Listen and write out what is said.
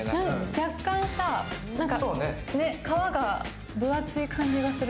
若干、皮が分厚い感じがする。